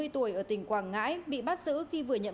ba mươi tuổi ở tỉnh quảng ngãi bị bắt giữ khi vừa nhận